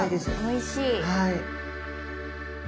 おいしい。